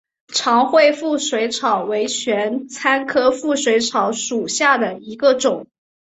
长穗腹水草为玄参科腹水草属下的一个种。